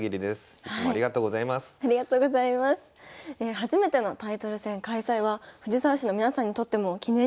初めてのタイトル戦開催は藤沢市の皆さんにとっても記念になりますよね。